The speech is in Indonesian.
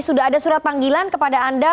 sudah ada surat panggilan kepada anda